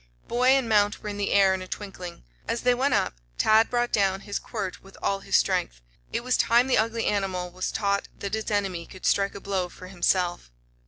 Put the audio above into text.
Boy and mount were in the air in a twinkling. As they went up, Ted brought down his quirt with all his strength. It was time the ugly animal was taught that its enemy could strike a blow for himself.